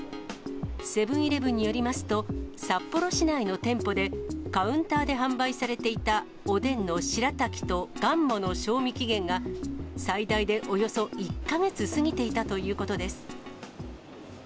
セブンーイレブンによりますと、札幌市内の店舗で、カウンターで販売されていたおでんの白滝とがんもの賞味期限が、最大でおよそ１か月過ぎていたということです。